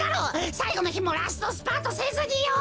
さいごのひもラストスパートせずによ！